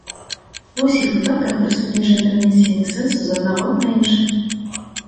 Ва ўсіх выпадках прысутнічае перанясенне сэнсу з аднаго на іншае.